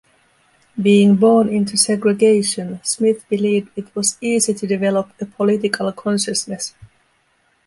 "Being born into segregation", Smith believed it was easy to develop a political consciousness.